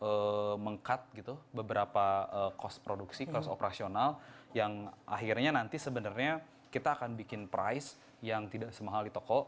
itu meng cut gitu beberapa cost produksi cost operasional yang akhirnya nanti sebenarnya kita akan bikin price yang tidak semahal di toko